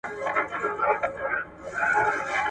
زه څو ځله در څرګند سوم تا لا نه یمه لیدلی.